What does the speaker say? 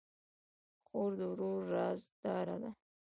خور د ورور رازدار ده.